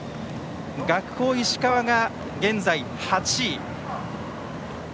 学法石川が現在８位。